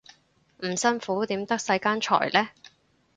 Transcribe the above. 唔辛苦點得世間財呢